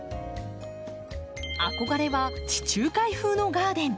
憧れは地中海風のガーデン。